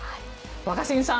若新さん